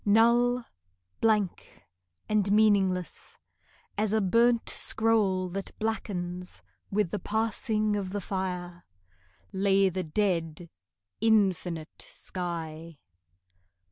Null, blank, and meaningless As a burnt scroll that blackens With the passing of the fire, Lay the dead infinite sky.